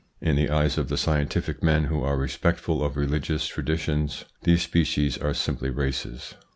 In the eyes of the scientific men who are respectful of religious traditions, these species are simply races.